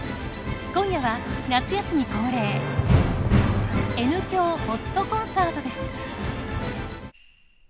今夜は夏休み恒例「Ｎ響ほっとコンサート」です。